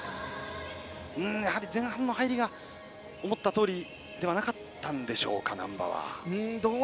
前半の入りが思ったとおりではなかったんでしょうか、難波は。